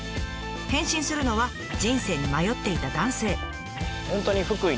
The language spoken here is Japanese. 変身するのは人生に迷っていた男性。